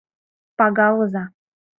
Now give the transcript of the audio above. пагалыза».